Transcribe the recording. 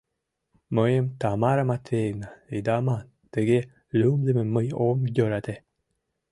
— Мыйым Тамара Матвеевна, ида ман, тыге лӱмдымым мый ом йӧрате.